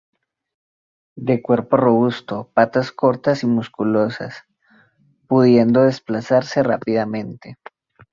De cuerpo robusto, patas cortas y musculosas, pudiendo desplazarse rápidamente.